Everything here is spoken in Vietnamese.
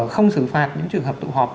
không xử phạt những trường hợp tụ họp